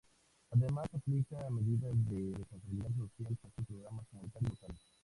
Además aplica medidas de responsabilidad social con sus programas comunitarios locales.